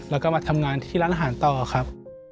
แล้วก็มาทำงานที่ร้านอาหารต่อครับ